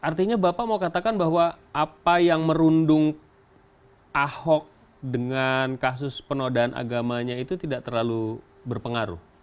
artinya bapak mau katakan bahwa apa yang merundung ahok dengan kasus penodaan agamanya itu tidak terlalu berpengaruh